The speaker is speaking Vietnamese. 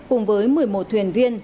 cùng với một mươi một thuyền viên